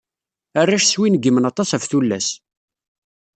Arrac swingimen aṭas ɣef tulas.